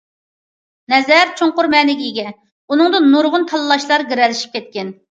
‹‹ نەزەر›› چوڭقۇر مەنىگە ئىگە، ئۇنىڭدا نۇرغۇن تاللاشلار گىرەلىشىپ كەتكەن.